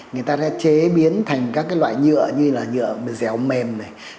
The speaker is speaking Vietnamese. người ta sẽ chế biến thành các loại nhựa như là nhựa dẻo mềm